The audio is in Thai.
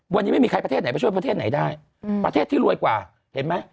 วันนี้ไม่มีใครประเทศไหนไปช่วยประเทศไหนได้ประเทศที่รวยกว่าเห็นไหม